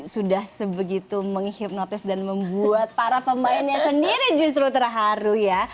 sudah sebegitu menghipnotis dan membuat para pemainnya sendiri justru terharu ya